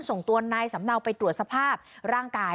ส่งตัวนายสำเนาไปตรวจสภาพร่างกาย